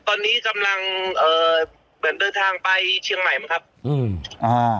ตอนนี้กำลังเอ่อเหมือนเดินทางไปเชียงใหม่มั้งครับอืมอ่า